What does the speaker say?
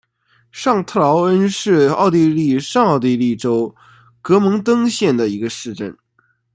上特劳恩是奥地利上奥地利州格蒙登县的一个市镇。